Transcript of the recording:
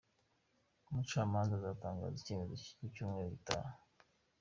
Umucamanza azatangaza icyemezo mu cyumweru gitaha.